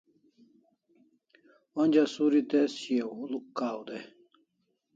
Onja suri tez shiaw huluk kaw day